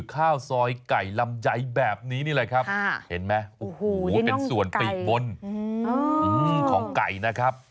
ข้าวซอยไก่ลำไยแบบนี้นี่แหละครับเห็นไหมโอ้โหเป็นส่วนปีกบนของไก่นะครับ